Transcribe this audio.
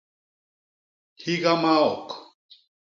Higa maok.